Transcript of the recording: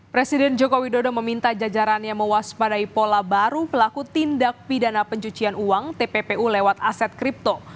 presiden joko widodo meminta jajarannya mewaspadai pola baru pelaku tindak pidana pencucian uang tppu lewat aset kripto